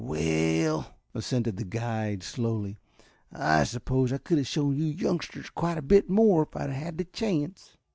"Well," assented the guide slowly, "I suppose I could have shown you youngsters quite a bit more if I had had the chance."